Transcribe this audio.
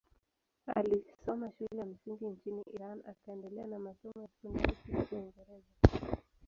Alisoma shule ya msingi nchini Iran akaendelea na masomo ya sekondari kule Uingereza.